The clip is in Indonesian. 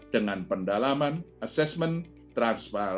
dengan pendalaman asesmen transmisi sbdk